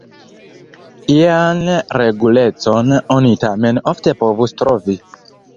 Ian regulecon oni tamen ofte povus trovi.